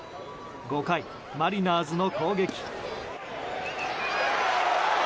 ５回、マリナーズの攻撃。